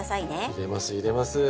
入れます入れます